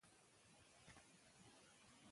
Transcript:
د کور اوبه د څښلو مخکې وګورئ.